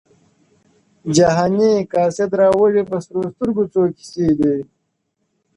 جهاني قاصد را وړي په سرو سترګو څو کیسې دي!!